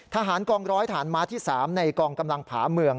ทหารกองร้อยฐานม้าที่๓ในกองกำลังผาเมือง